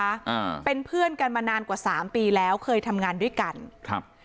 อ่าเป็นเพื่อนกันมานานกว่าสามปีแล้วเคยทำงานด้วยกันครับ